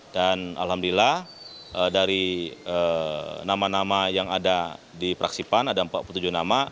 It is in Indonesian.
dan alhamdulillah dari nama nama yang ada di praksipan ada empat puluh tujuh nama